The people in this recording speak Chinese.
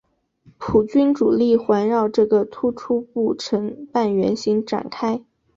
普军主力环绕这个突出部成半圆形展开。